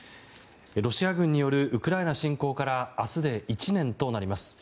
ロシア軍によるウクライナ侵攻から明日で１年となります。